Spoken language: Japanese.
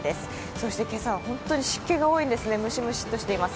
そして今朝は本当に湿気が多いんですね、ムシムシッとしています。